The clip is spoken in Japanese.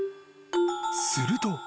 ［すると］